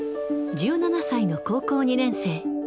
１７歳の高校２年生。